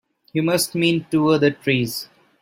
You must mean two other trees.